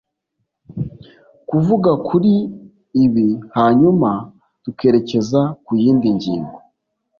kuvuga kuri ibi hanyuma tukerekeza ku yindi ngingo